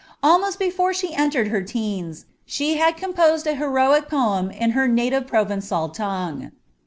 Almost before she entered her teeos, she had composed an heroic poem hi her native Proven9al tongue.